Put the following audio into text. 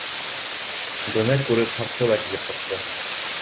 Быны күреп, һаҡсы ла килеп сыҡты: